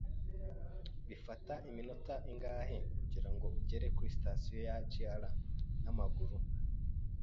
Bifata iminota ingahe kugirango ugere kuri sitasiyo ya JR n'amaguru?